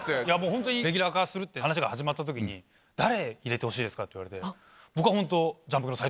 ホントにレギュラー化するって話が始まった時に「誰入れてほしいですか？」って言われて僕はホント。